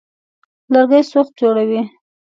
لرګي سوخت جوړوي.